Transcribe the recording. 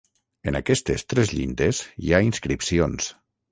En aquestes tres llindes hi ha inscripcions.